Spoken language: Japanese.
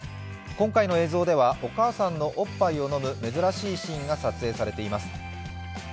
今回の映像では、お母さんのおっぱいを飲む珍しいシーンが撮影されています。